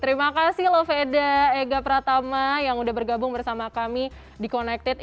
terima kasih loh veda ega pratama yang sudah bergabung bersama kami di connected